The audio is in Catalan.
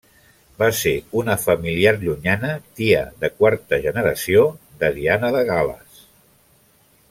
Va ser una familiar llunyana, tia de quarta generació, de Diana de Gal·les.